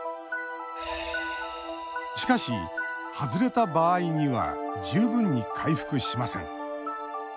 しかし、外れた場合には十分に回復しません。